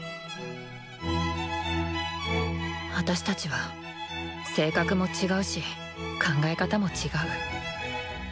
あたしたちは性格も違うし考え方も違う。